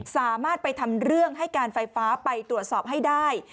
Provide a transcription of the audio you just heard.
สามารถไปทำเรื่องให้การไฟฟ้าไปตรวจสอบให้ได้